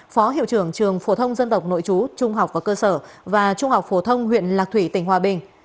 phó hiệu trưởng trường phổ thông dân tộc nội chú trung học và cơ sở và trung học phổ thông huyện lạc thủy tỉnh hòa bình